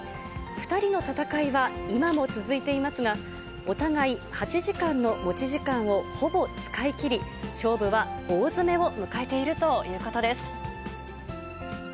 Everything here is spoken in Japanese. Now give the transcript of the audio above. ２人の戦いは今も続いていますが、お互い８時間の持ち時間をほぼ使い切り、勝負は大詰めを迎えているということです。